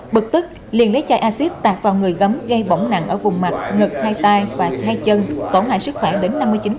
bực tức liền lấy chai axit tạp vào người gấm gây bỏng nặng ở vùng mạch ngực hai tay và hai chân tổn hại sức khỏe đến năm mươi chín